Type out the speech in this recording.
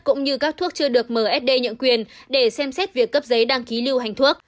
cũng như các thuốc chưa được msd nhận quyền để xem xét việc cấp giấy đăng ký lưu hành thuốc